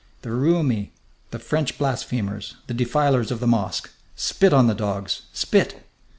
The Roumi, the French blasphemers, the defilers of the mosque! Spit on the dogs! Spit!